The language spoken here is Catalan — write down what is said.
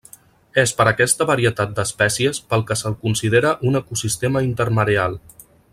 És per aquesta varietat d'espècies pel que se'l considera un ecosistema intermareal.